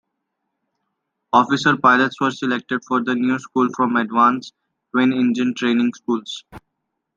Officer pilots were selected for the new school from advanced twin-engine training schools.